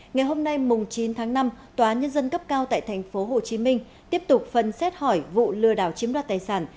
ngày hôm nay chín tháng năm tòa nhân dân cấp cao tại tp hcm tiếp tục phần xét hỏi vụ lừa đảo chiếm đoạt tài sản